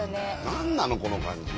何なのこの感じ。